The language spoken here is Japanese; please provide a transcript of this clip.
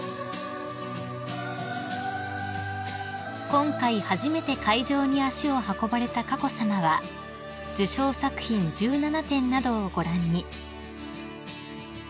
［今回初めて会場に足を運ばれた佳子さまは受賞作品１７点などをご覧に］